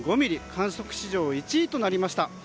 観測史上１位となりました。